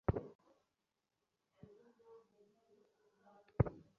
সেইটেতে মধুসূদনের হৃৎপিণ্ডে যেন মোচড় লাগল।